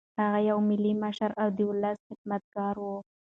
هغه یو ملي مشر او د ولس خدمتګار و.